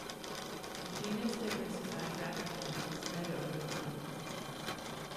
The genus diversified rapidly and spread over the continents.